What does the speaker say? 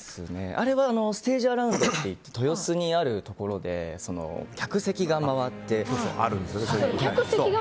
あれはステージアラウンドといって豊洲にあるところで客席が回って。